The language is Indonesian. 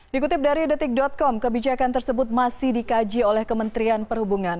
dikutip dari detik com kebijakan tersebut masih dikaji oleh kementerian perhubungan